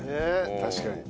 確かに。